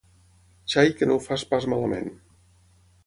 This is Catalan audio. Xai que no ho fa pas malament.